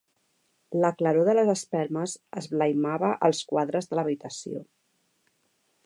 La claror de les espelmes esblaimava els quadres de l'habitació.